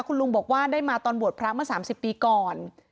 คุณลุงบอกว่าได้มาตอนบวชพระเมื่อ๓๐ปีก่อน